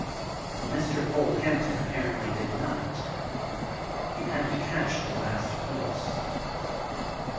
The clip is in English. But Mr. Polehampton apparently did not. He had to catch the last post.